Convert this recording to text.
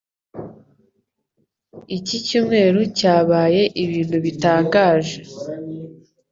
Iki cyumweru cyabaye ibintu bitangaje.